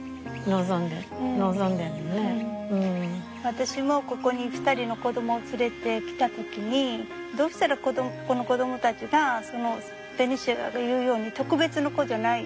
私もここに２人の子供を連れてきた時にどうしたらこの子供たちがベニシアが言うように特別な子じゃない。